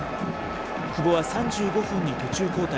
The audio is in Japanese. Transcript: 久保は３５分に途中交代。